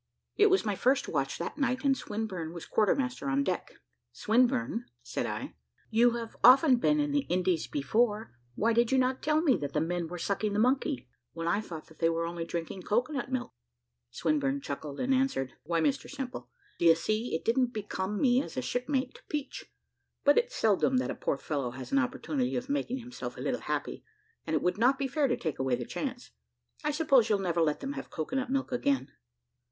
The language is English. It was my first watch that night, and Swinburne was quarter master on deck. "Swinburne," said I, "you have often been in the Indies before, why did you not tell me that the men were `_sucking the monkey_,' when I thought that they were only drinking cocoa nut milk?" Swinburne chuckled, and answered, "Why, Mr Simple, d'ye see, it didn't become me as a shipmate to peach. It's but seldom that a poor fellow has an opportunity of making himself a `little happy,' and it would not be fair to take away the chance. I suppose you'll never let them have cocoa nut milk again?"